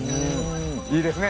いいですね